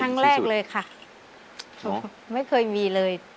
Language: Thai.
ครั้งแรกเลยค่ะไม่เคยมีเลย